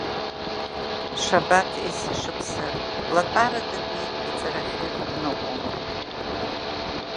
Шьабаҭ есышықәса латәарадатәи иҵарахьы дныҟәон.